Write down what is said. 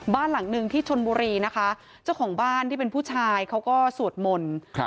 บ้านหลังหนึ่งที่ชนบุรีนะคะเจ้าของบ้านที่เป็นผู้ชายเขาก็สวดมนต์ครับ